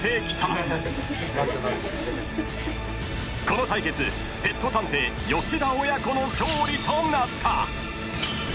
［この対決ペット探偵吉田親子の勝利となった］